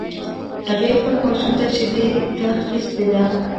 هغې خپل ماشوم ته شیدي ده اخیستی ده